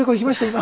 今。